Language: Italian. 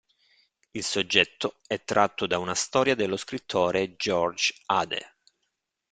Il soggetto è tratto da una storia dello scrittore George Ade.